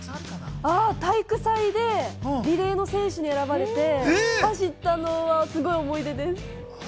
体育祭でリレーの選手に選ばれて、走ったのはすごい思い出です。